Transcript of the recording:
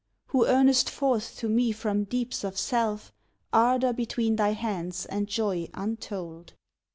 Who earnest forth to me from deeps of self Ardour between thy hands and joy untold.